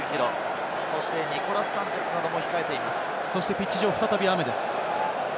ピッチ上は再び雨です。